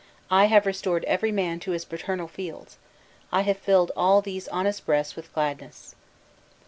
I have restored every man to his paternal fields! I have filled all these honest breasts with gladness!"